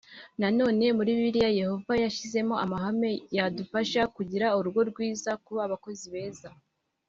Nanone muri Bibiliya Yehova yashyizemo amahame yadufasha kugira urugo rwiza kuba abakozi beza